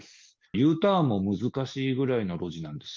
Ｕターンも難しいぐらいの路地なんです。